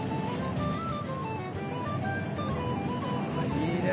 あいいね。